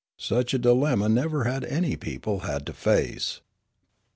Such a dilemma never had any people had to face.